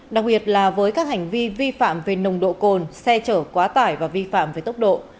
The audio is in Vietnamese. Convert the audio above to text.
đặc biệt là với các hành vi vi phạm về nồng độ cồn xe chở quá tải và vi phạm về tốc độ